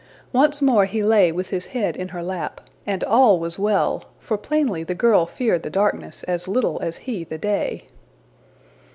Once more he lay with his head in her lap, and all was well, for plainly the girl feared the darkness as little as he the day.